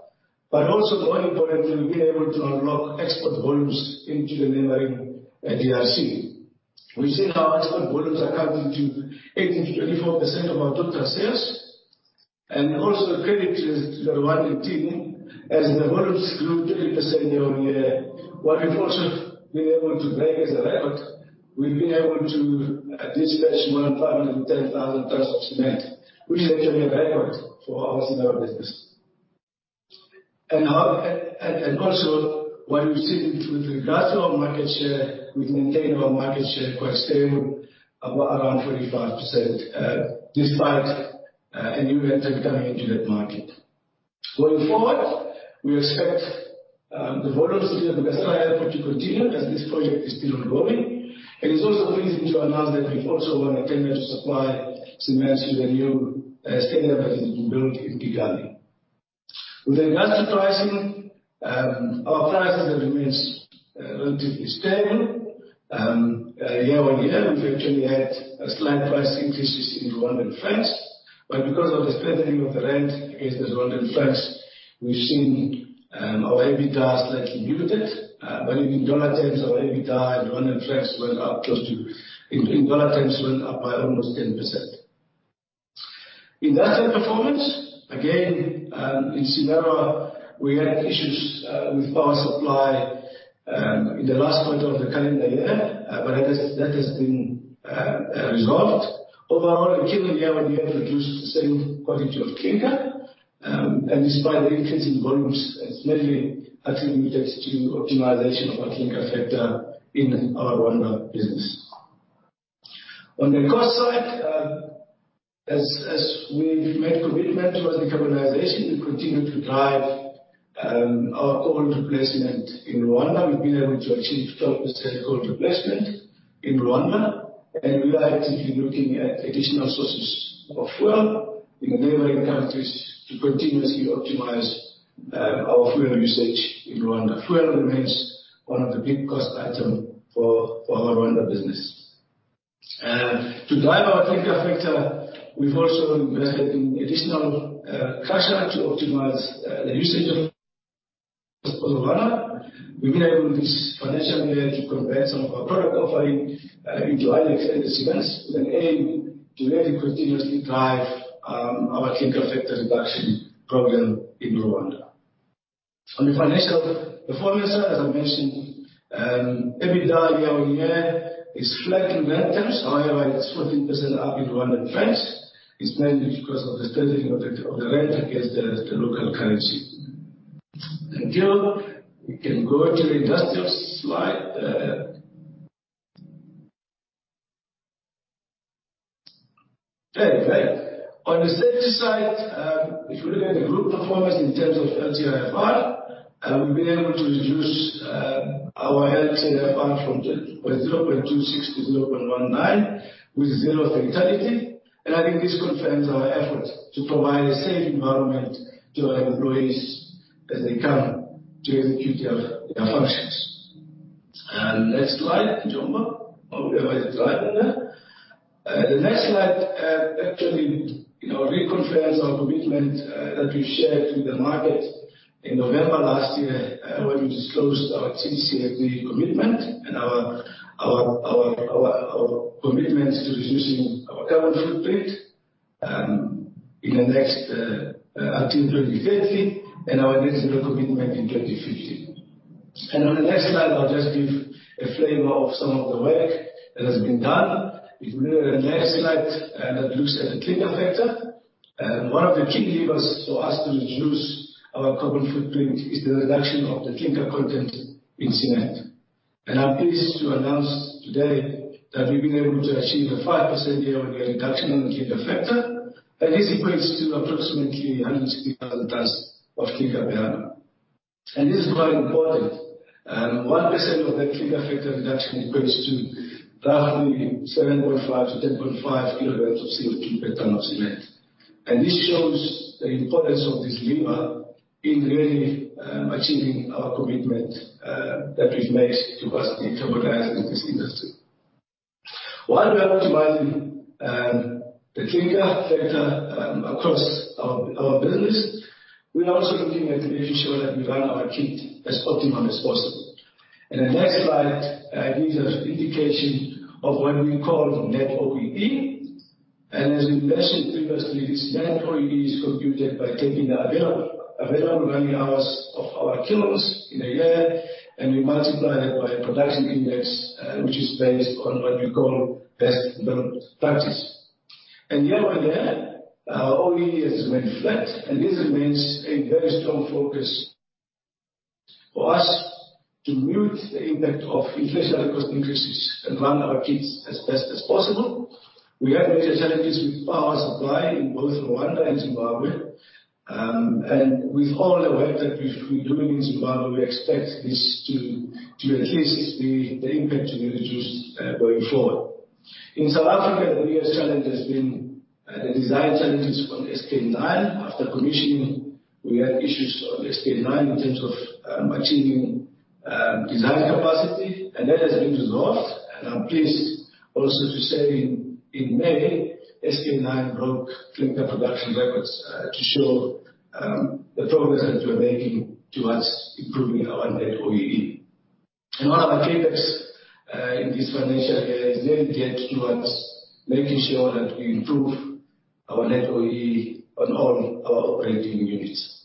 but also more importantly, we've been able to unlock export volumes into the neighboring DRC. We've seen our export volumes accounting for 18%-24% of our total sales. Also credit to the Rwanda team as the volumes grew 30% year-on-year. What we've also been able to break as a record, we've been able to dispatch more than 510,000 tons of cement, which is actually a record for our CIMERWA business. What you've seen with regards to our market share, we've maintained our market share quite stable, around 45%, despite a new entry coming into that market. Going forward, we expect the volumes to the Bugesera International Airport to continue as this project is still ongoing. It's also pleasing to announce that we've also won a tender to supply cement to the new stadium that has been built in Kigali. With regards to pricing, our prices have remained relatively stable. Year-on-year, we've actually had a slight price increases in Rwandan francs. Because of the strengthening of the rand against the Rwandan francs, we've seen our EBITDA slightly muted. In dollar terms, our EBITDA in Rwandan francs went up by almost 10%. Industrial performance, again, in CIMERWA, we had issues with power supply in the last quarter of the calendar year. That has been resolved. Overall, the kiln year-on-year produced the same quantity of clinker. Despite the increase in volumes, it's mainly attributed to optimization of our clinker factor in our Rwanda business. On the cost side, as we've made commitment towards decarbonization, we continue to drive our coal replacement in Rwanda. We've been able to achieve 12% coal replacement in Rwanda, and we are actively looking at additional sources of fuel in the neighboring countries to continuously optimize our fuel usage in Rwanda. Fuel remains one of the big cost item for our Rwanda business. To drive our clinker factor, we've also invested in additional crusher to optimize the usage in Rwanda. We've been able this financial year to convert some of our product offering into higher-end cements with an aim to really continuously drive our clinker factor reduction program in Rwanda. On the financial performance, as I mentioned, EBITDA year-on-year is flat in rand terms. However, it is 14% up in Rwandan francs. It's mainly because of the strengthening of the rand against the local currency. Jill, we can go to industrial slide. Great. Great. On the safety side, if you look at the group performance in terms of LTIFR, we've been able to reduce our LTIFR from 0.26 to 0.19 with 0 fatality. I think this confirms our effort to provide a safe environment to our employees as they come to execute their functions. Next slide, Njombo. Or wherever the driver there. The next slide, actually, you know, reconfirms our commitment that we shared with the market in November last year, when we disclosed our GCCA commitment and our commitment to reducing our carbon footprint in the next until 2030 and our net zero commitment in 2050. On the next slide, I'll just give a flavor of some of the work that has been done. If you go to the next slide, and that looks at the clinker factor. One of the key levers for us to reduce our carbon footprint is the reduction of the clinker content in cement. I'm pleased to announce today that we've been able to achieve a 5% year-on-year reduction in clinker factor. This equates to approximately 160,000 tons of clinker per annum. This is quite important. One percent of that clinker factor reduction equates to roughly 7.5-10.5 kilograms of CO2 per ton of cement. This shows the importance of this lever in really achieving our commitment that we've made towards decarbonizing this industry. While we are optimizing the clinker factor across our business, we are also looking at making sure that we run our kilns as optimum as possible. In the next slide gives us indication of what we call Net OEE. As we mentioned previously, this Net OEE is computed by taking the available running hours of our kilns in a year, and we multiply that by a production index, which is based on what we call best development practice. Year-on-year, our OEE has remained flat, and this remains a very strong focus for us to mitigate the impact of inflationary cost increases and run our kilns as best as possible. We have major challenges with power supply in both Rwanda and Zimbabwe. With all the work that we're doing in Zimbabwe, we expect this impact to be reduced going forward. In South Africa, the biggest challenge has been the design challenges on SK9. After commissioning, we had issues on SK9 in terms of achieving design capacity, and that has been resolved. I'm pleased also to say in May, SK9 broke clinker production records to show the progress that we're making towards improving our Net OEE. One of our focus in this financial year is really geared towards making sure that we improve our Net OEE on all our operating units.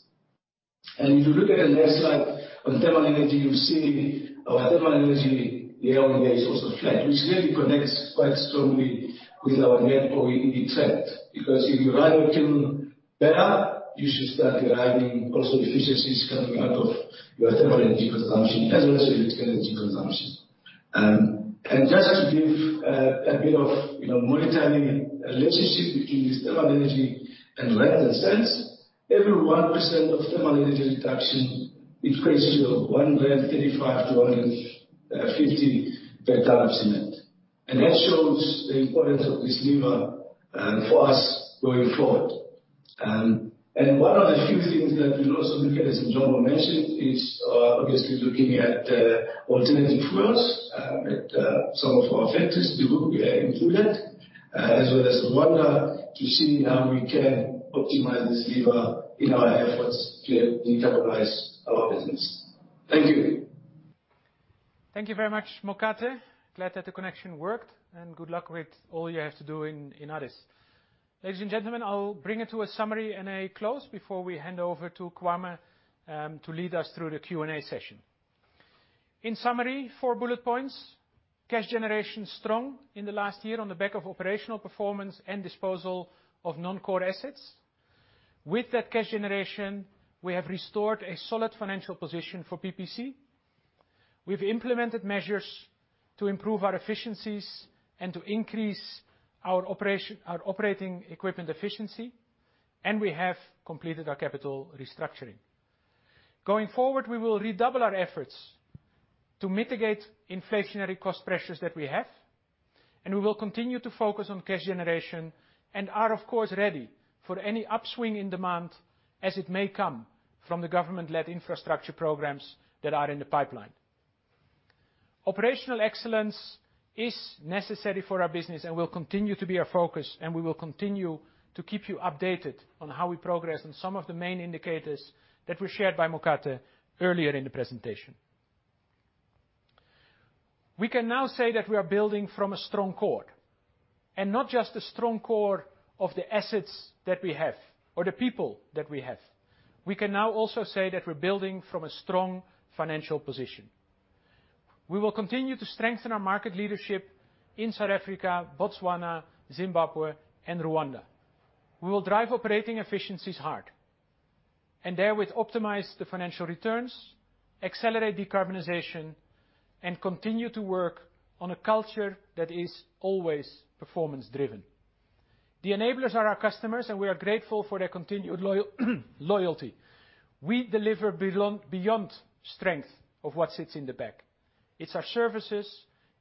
If you look at the next slide on thermal energy, you see our thermal energy year-on-year is also flat, which really connects quite strongly with our Net OEE trend. Because if you run your kiln better, you should start deriving also efficiencies coming out of your thermal energy consumption as well as your energy consumption. Just to give a bit of, you know, monetary relationship between this thermal energy and rand and cents, every 1% of thermal energy reduction equates to 1.35-150 per ton of cement. That shows the importance of this lever for us going forward. One of the few things that we'll also look at, as Njombo mentioned, is obviously looking at alternative fuels at some of our factories. Dwaalboom included, as well as Rwanda, to see how we can optimize this lever in our efforts to decarbonize our business. Thank you. Thank you very much, Mokate. Glad that the connection worked, and good luck with all you have to do in Addis. Ladies and gentlemen, I'll bring it to a summary and a close before we hand over to Kwame to lead us through the Q&A session. In summary, four bullet points. Cash generation strong in the last year on the back of operational performance and disposal of non-core assets. With that cash generation, we have restored a solid financial position for PPC. We've implemented measures to improve our efficiencies and to increase our operating equipment efficiency, and we have completed our capital restructuring. Going forward, we will redouble our efforts to mitigate inflationary cost pressures that we have, and we will continue to focus on cash generation and are, of course, ready for any upswing in demand as it may come from the government-led infrastructure programs that are in the pipeline. Operational excellence is necessary for our business and will continue to be our focus, and we will continue to keep you updated on how we progress and some of the main indicators that were shared by Mokate earlier in the presentation. We can now say that we are building from a strong core, and not just a strong core of the assets that we have or the people that we have. We can now also say that we're building from a strong financial position. We will continue to strengthen our market leadership in South Africa, Botswana, Zimbabwe, and Rwanda. We will drive operating efficiencies hard, and therewith optimize the financial returns, accelerate decarbonization, and continue to work on a culture that is always performance-driven. The enablers are our customers, and we are grateful for their continued loyalty. We deliver beyond strength of what sits in the bank. It's our services,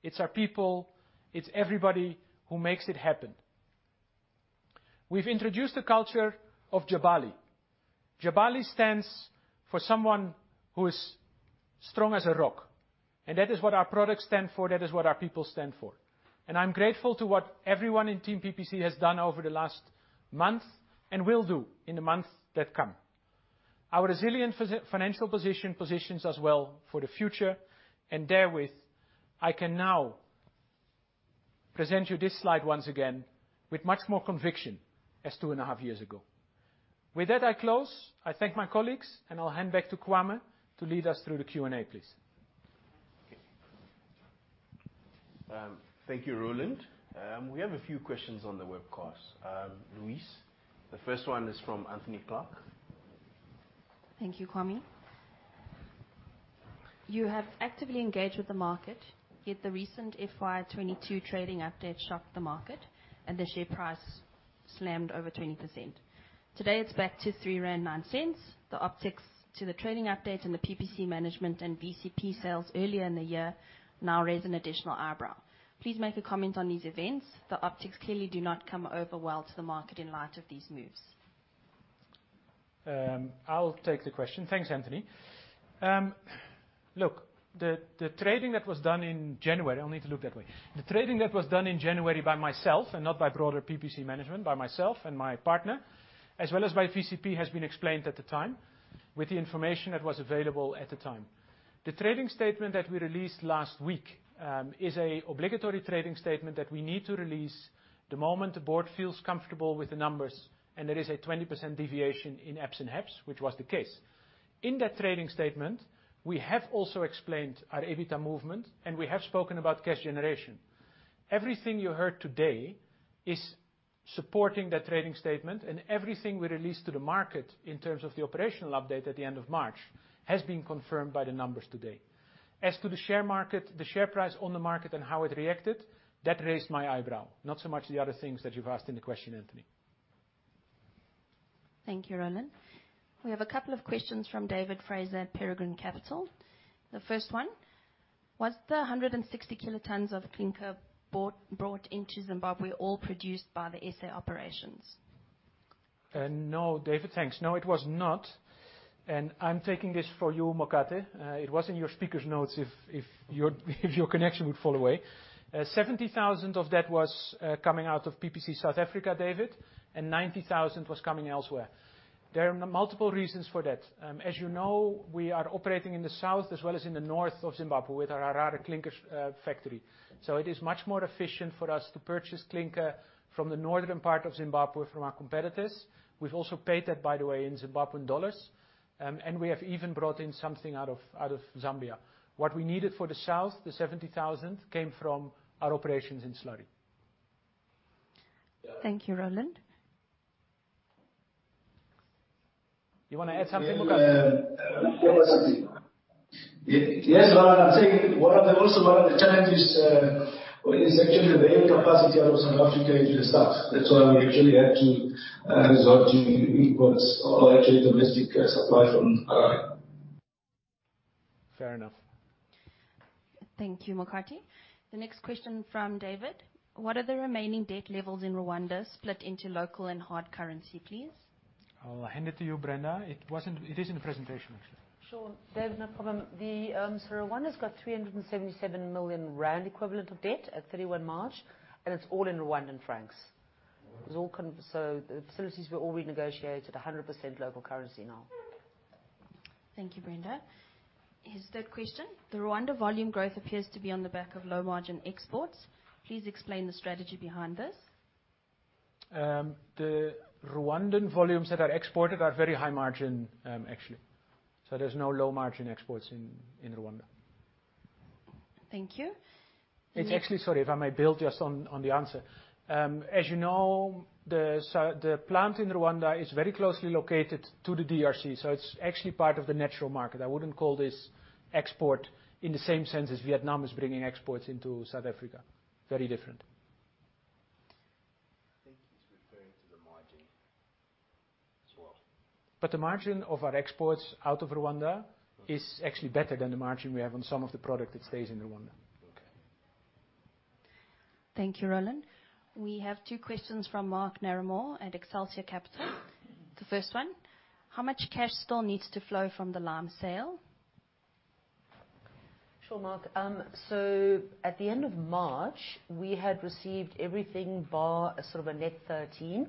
it's our people, it's everybody who makes it happen. We've introduced the culture of Jabali. Jabali stands for someone who is strong as a rock, and that is what our products stand for, that is what our people stand for. I'm grateful to what everyone in team PPC has done over the last month and will do in the months that come. Our resilient financial position positions us well for the future, and therewith, I can now present you this slide once again with much more conviction as 2.5 years ago. With that, I close. I thank my colleagues, and I'll hand back to Kwame to lead us through the Q&A, please. Okay. Thank you, Roland. We have a few questions on the webcast. Louise, the first one is from Anthony Clark. Thank you, Kwame. You have actively engaged with the market, yet the recent FY 2022 trading update shocked the market and the share price slammed over 20%. Today, it's back to 3.09 rand. The optics to the trading update and the PPC management and VCP sales earlier in the year now raise an additional eyebrow. Please make a comment on these events. The optics clearly do not come over well to the market in light of these moves. I'll take the question. Thanks, Anthony. Look, the trading that was done in January by myself, and not by broader PPC management, by myself and my partner, as well as by VCP, has been explained at the time with the information that was available at the time. The trading statement that we released last week is an obligatory trading statement that we need to release the moment the board feels comfortable with the numbers and there is a 20% deviation in EPS and HEPS, which was the case. In that trading statement, we have also explained our EBITDA movement, and we have spoken about cash generation. Everything you heard today is supporting that trading statement, and everything we released to the market in terms of the operational update at the end of March has been confirmed by the numbers today. As to the share market, the share price on the market and how it reacted, that raised my eyebrow, not so much the other things that you've asked in the question, Anthony. Thank you, Roland. We have a couple of questions from David Fraser at Peregrine Capital. The first one: Was the 160 kilotons of clinker bought, brought into Zimbabwe all produced by the SA operations? No, David. Thanks. No, it was not. I'm taking this for you, Mokate. It was in your speaker's notes if your connection would fall away. 70,000 of that was coming out of PPC South Africa, David, and 90,000 was coming elsewhere. There are multiple reasons for that. As you know, we are operating in the south as well as in the north of Zimbabwe with our Harare clinker factory. It is much more efficient for us to purchase clinker from the northern part of Zimbabwe from our competitors. We've also paid that, by the way, in Zimbabwean dollars. We have even brought in something out of Zambia. What we needed for the south, the 70,000, came from our operations in Slurry. Thank you, Roland. You wanna add something, Mokate? Yes, Roland. One of the challenges is actually the available capacity out of South Africa into the rest. That's why we actually had to resort to imports or actually domestic supply from Harare. Fair enough. Thank you, Mokhati. The next question from David: What are the remaining debt levels in Rwanda split into local and hard currency, please? I'll hand it to you, Brenda. It is in the presentation, actually. Sure, David, no problem. Rwanda's got 377 million rand equivalent of debt at 31 March, and it's all in Rwandan francs. The facilities were all renegotiated 100% local currency now. Thank you, Brenda. Here's the third question. The Rwanda volume growth appears to be on the back of low margin exports. Please explain the strategy behind this. The Rwandan volumes that are exported are very high margin, actually. There's no low margin exports in Rwanda. Thank you. It's actually sorry, if I may build just on the answer. As you know, the plant in Rwanda is very closely located to the DRC, so it's actually part of the natural market. I wouldn't call this export in the same sense as Vietnam is bringing exports into South Africa. Very different. I think he's referring to the margin as well. The margin of our exports out of Rwanda is actually better than the margin we have on some of the product that stays in Rwanda. Okay. Thank you, Roland. We have two questions from Mark Narramore at Excelsia Capital. The first one: How much cash still needs to flow from the lime sale? Sure, Mark. At the end of March, we had received everything bar sort of a net 13.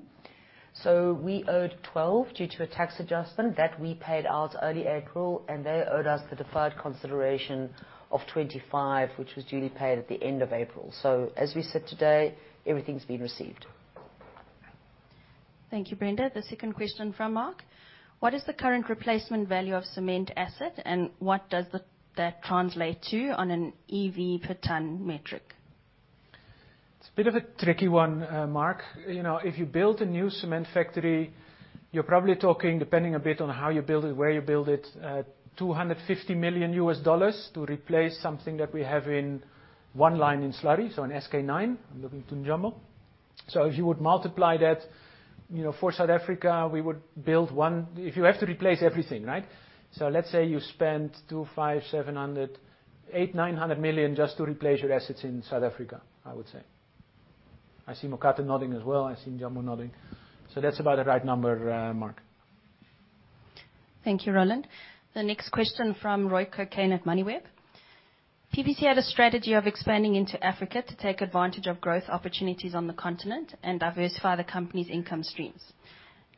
We owed 12 due to a tax adjustment that we paid out early April, and they owed us the deferred consideration of 25, which was duly paid at the end of April. As we sit today, everything's been received. Thank you, Brenda. The second question from Mark: What is the current replacement value of cement asset, and what does that translate to on an EV per ton metric? It's a bit of a tricky one, Mark. You know, if you build a new cement factory, you're probably talking, depending a bit on how you build it, where you build it, $250 million to replace something that we have in one line in Slurry, so in SK9. I'm looking to Njombo. If you would multiply that, you know, for South Africa, we would build one. If you have to replace everything, right? Let's say you spend $700-$900 million just to replace your assets in South Africa, I would say. I see Mokate nodding as well. I see Njombo nodding. That's about the right number, Mark. Thank you, Roland. The next question from Roy Cokayne at Moneyweb: PPC had a strategy of expanding into Africa to take advantage of growth opportunities on the continent and diversify the company's income streams.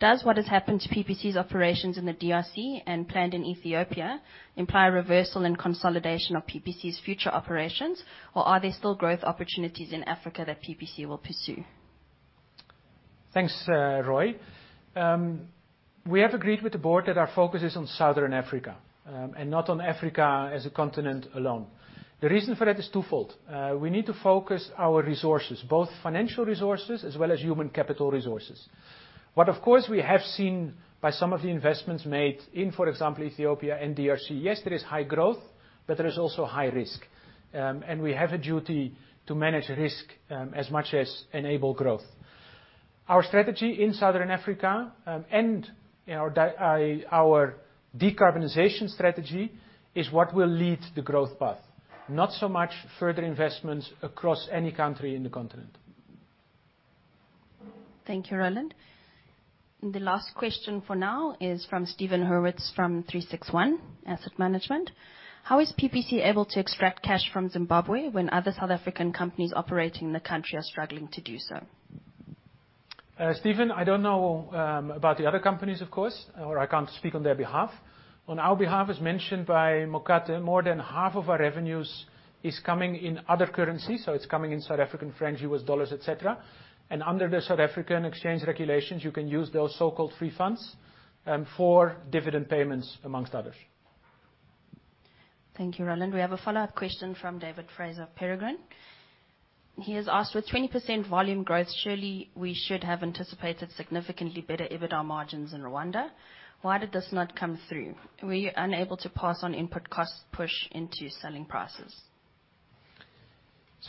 Does what has happened to PPC's operations in the DRC and planned in Ethiopia imply a reversal in consolidation of PPC's future operations, or are there still growth opportunities in Africa that PPC will pursue? Thanks, Roy. We have agreed with the board that our focus is on Southern Africa, and not on Africa as a continent alone. The reason for that is twofold. We need to focus our resources, both financial resources as well as human capital resources. What, of course, we have seen by some of the investments made in, for example, Ethiopia and DRC, yes, there is high growth, but there is also high risk. And we have a duty to manage risk, as much as enable growth. Our strategy in Southern Africa, and our decarbonization strategy is what will lead the growth path, not so much further investments across any country in the continent. Thank you, Roland. The last question for now is from Steven Hurwitz from 36ONE Asset Management. How is PPC able to extract cash from Zimbabwe when other South African companies operating in the country are struggling to do so? Steven, I don't know about the other companies, of course, or I can't speak on their behalf. On our behalf, as mentioned by Mokate, more than half of our revenues is coming in other currencies, so it's coming in South African rand, U.S. dollars, et cetera. Under the South African exchange regulations, you can use those so-called free funds for dividend payments among others. Thank you, Roland. We have a follow-up question from David Fraser of Peregrine Capital. He has asked, with 20% volume growth, surely we should have anticipated significantly better EBITDA margins in Rwanda. Why did this not come through? Were you unable to pass on input cost push into selling prices?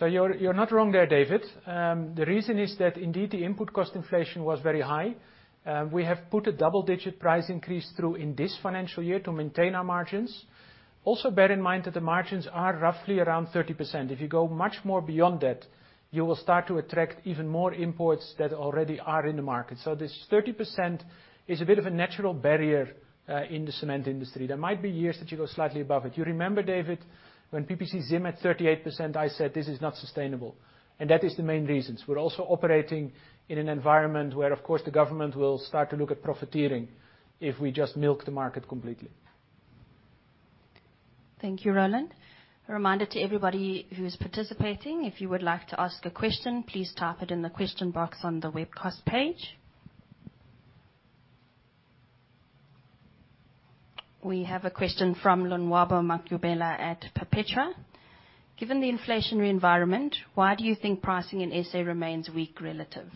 You're not wrong there, David. The reason is that indeed the input cost inflation was very high. We have put a double-digit price increase through in this financial year to maintain our margins. Also, bear in mind that the margins are roughly around 30%. If you go much more beyond that, you will start to attract even more imports that already are in the market. This 30% is a bit of a natural barrier in the cement industry. There might be years that you go slightly above it. You remember, David, when PPC Zim at 38%, I said, "This is not sustainable." That is the main reasons. We're also operating in an environment where, of course, the government will start to look at profiteering if we just milk the market completely. Thank you, Roland. A reminder to everybody who is participating, if you would like to ask a question, please type it in the question box on the webcast page. We have a question from Lonwabo Maqubela at Perpetua. Given the inflationary environment, why do you think pricing in SA remains weak relative?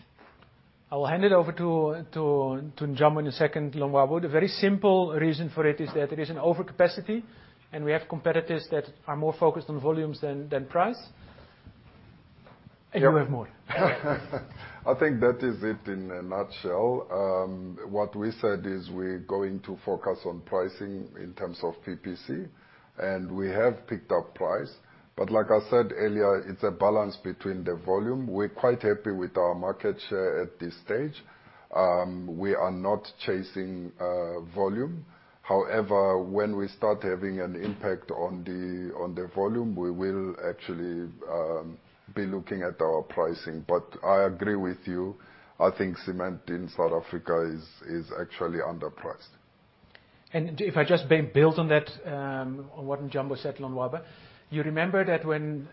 I will hand it over to Njombo in a second, Lonwabo. The very simple reason for it is that there is an overcapacity, and we have competitors that are more focused on volumes than price. You have more. I think that is it in a nutshell. What we said is we're going to focus on pricing in terms of PPC, and we have picked up price. Like I said earlier, it's a balance between the volume. We're quite happy with our market share at this stage. We are not chasing volume. However, when we start having an impact on the volume, we will actually be looking at our pricing. I agree with you. I think cement in South Africa is actually underpriced. If I just build on that, on what Njumbo said, Lwaba, you remember that when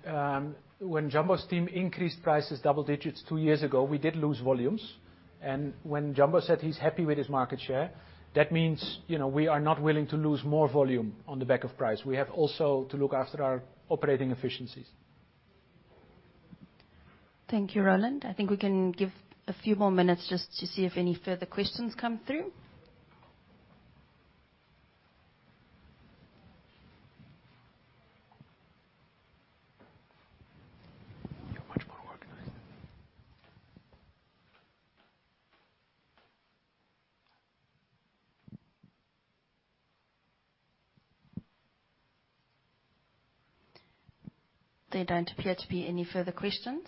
Njumbo's team increased prices double digits two years ago, we did lose volumes. When Njumbo said he's happy with his market share, that means, you know, we are not willing to lose more volume on the back of price. We have also to look after our operating efficiencies. Thank you, Roland. I think we can give a few more minutes just to see if any further questions come through. You're much more organized. There don't appear to be any further questions.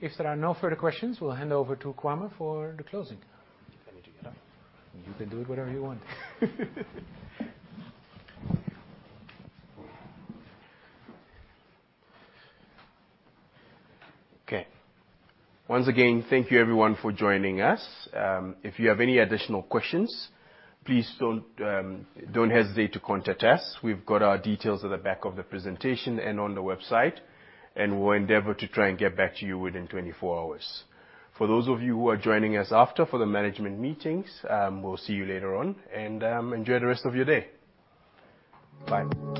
If there are no further questions, we'll hand over to Kwame for the closing. Let me do that. You can do it whatever you want. Okay. Once again, thank you everyone for joining us. If you have any additional questions, please don't hesitate to contact us. We've got our details at the back of the presentation and on the website, and we'll endeavor to try and get back to you within 24 hours. For those of you who are joining us after for the management meetings, we'll see you later on, and enjoy the rest of your day. Bye.